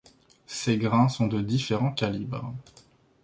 Ses grains sont de différents calibres.